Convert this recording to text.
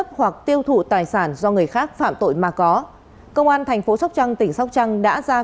khóm một phường một mươi thành phố sóc trăng tỉnh sóc trăng